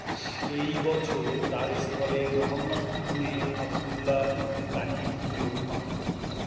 সেই বছর তার স্থলে মুহাম্মদ ইবনে আবদুল্লাহ ইবনে তাহির নিয়োগ পান।